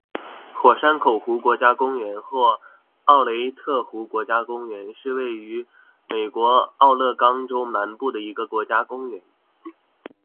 火山口湖国家公园或克雷特湖国家公园是位于美国奥勒冈州南部的一个国家公园。